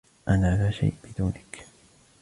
أنا لا شئ بدونك.